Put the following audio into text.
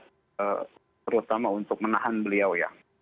terutama untuk menahan beliau ya